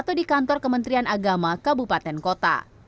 atau di kantor kementerian agama kabupaten kota